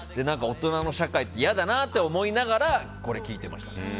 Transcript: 大人の社会って嫌だなって思いながらこれを聴いてました。